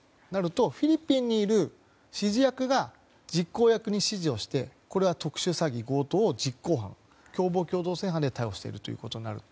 フィリピンにいる指示役が実行役に指示をしてこれは特殊詐欺強盗の実行犯共謀共同正犯で逮捕しているということになると。